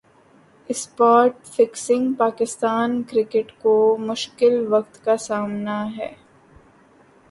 spot fixing Pakistan cricket کو مشکل وقت کا سامنا ہے